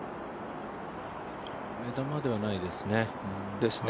目玉ではないですね。